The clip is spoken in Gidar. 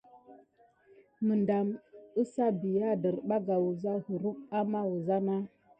Medam əza bià derbaka wuza kurump amanz medam a bar na.